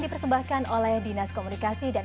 dipersembahkan oleh dinas komunikasi dan